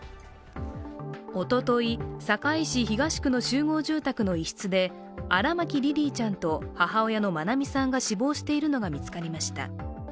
おととい、堺市東区の集合住宅の一室で荒牧リリィちゃんと母親の愛美さんが死亡しているのが見つかりました。